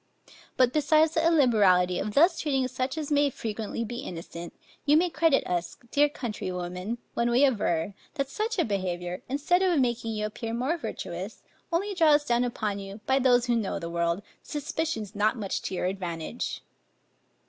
But besides the illiberality of thus treating such as may frequently be innocent, you may credit us, dear countrywomen, when we aver, that such a behavior, instead of making you appear more virtuous, only draws down upon you, by those who know the world, suspicions not much to your advantage.